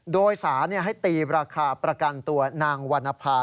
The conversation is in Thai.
โดยสารให้ตีราคาประกันตัวนางวรรณภา